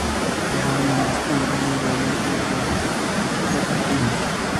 Grabaron un disco con Lennie Dale y ganaron varios premios.